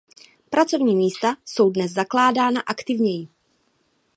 Pracovní místa jsou dnes zakládána aktivněji.